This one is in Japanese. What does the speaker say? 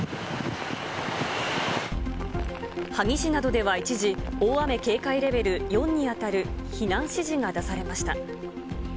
萩市などでは一時、大雨警戒レベル４に当たる避難指示が出されました。